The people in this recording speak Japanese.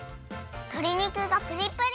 とり肉がプリプリ！